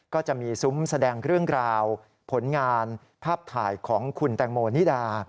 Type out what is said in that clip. ก็จะมีซุ้มแสดงเรื่องราวผลงานภาพถ่ายของคุณแตงโมนิดา